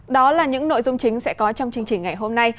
đó là những nội dung chính sẽ có trong chương trình ngày hôm nay